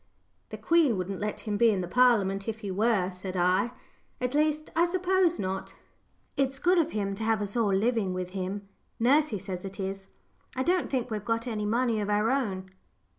"The Queen wouldn't let him be in the Parliament if he were," said I. "At least, I suppose not." "It's good of him to have all of us living with him. Nursey says it is. I don't think we've got any money of our own."